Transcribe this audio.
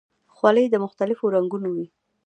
خولۍ د مختلفو رنګونو وي.